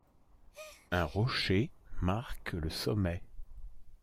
Un rocher marque le sommet.